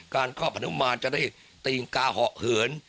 การครอบพนักมนต์จะได้ตีงกาเหาะเหิน